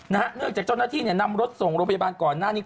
เนื่องจากเจ้าหน้าที่เนี่ยนำรถส่งโรงพยาบาลก่อนหน้านี้